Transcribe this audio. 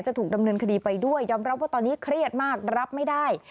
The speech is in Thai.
ถูกดำเนินคดีไปด้วยยอมรับว่าตอนนี้เครียดมากรับไม่ได้